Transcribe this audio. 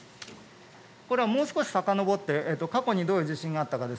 これは、もう少しさかのぼって過去にどういう地震があったかです。